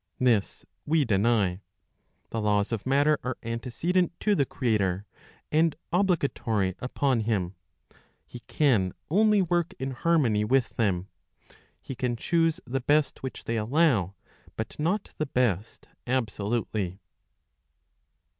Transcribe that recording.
This we deny. The laws of matter are antecedent to the Creator, and obligatory upon him. He can only work in harmony with them. He can choose the best which they allow, but J not the best ab^s^utely.